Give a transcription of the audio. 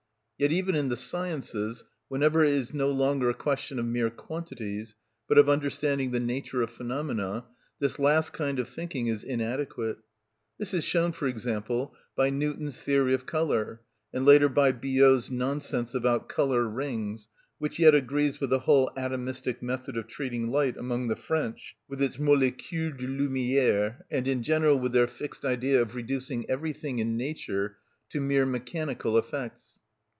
Yet even in the sciences, whenever it is no longer a question of mere quantities, but of understanding the nature of phenomena, this last kind of thinking is inadequate. This is shown, for example, by Newton's theory of colour, and later by Biot's nonsense about colour rings, which yet agrees with the whole atomistic method of treating light among the French, with its molécules de lumière, and in general with their fixed idea of reducing everything in nature to mere mechanical effects.